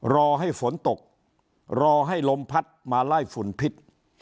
รอให้ฝนตกรอให้ลมพัดมาไล่ฝุ่นพิษ